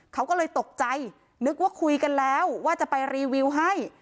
เขาก็เลยตกใจนึกว่าคุยกันแล้วว่าจะไปรีวิวให้